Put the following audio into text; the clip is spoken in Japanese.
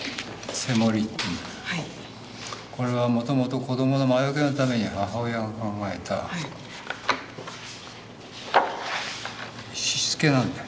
これはもともと子どもの魔よけのために母親が考えたしつけなんだよ。